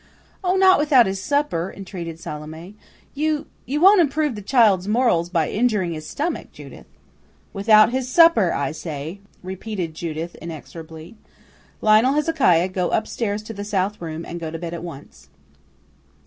"Oh! not without his supper," entreated Salome. "You you won't improve the child's morals by injuring his stomach, Judith." "Without his supper, I say," repeated Judith inexorably. "Lionel Hezekiah, go up stairs to the south room, and go to bed at once."